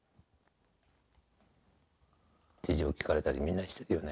事情聴かれたりみんなしてるよね。